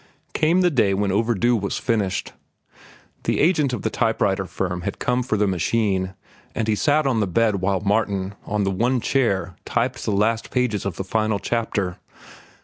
Came the day when "Overdue" was finished. The agent of the type writer firm had come for the machine, and he sat on the bed while Martin, on the one chair, typed the last pages of the final chapter.